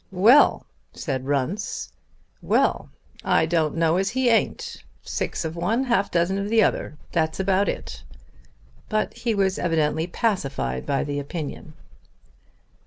"Well," said Runce; "well! I don't know as he ain't. Six of one and half a dozen of the other! That's about it." But he was evidently pacified by the opinion.